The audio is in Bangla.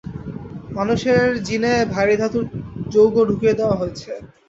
মানুষের জীনে ভারি ধাতুর যৌগ ঢুকিয়ে দেয়া হয়েছে।